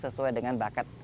sesuai dengan bakat